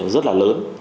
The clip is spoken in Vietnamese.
rất là lớn